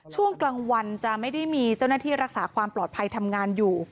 ช่วงกลางวันจะไม่ได้มีเจ้าหน้าที่รักษาความปลอดภัยทำงานอยู่